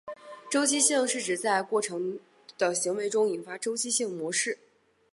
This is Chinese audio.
周期性是指在过程的行为中引发周期性模式。